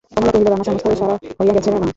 কমলা কহিল, রান্না সমস্ত সারা হইয়া গেছে মা।